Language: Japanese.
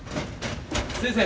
先生。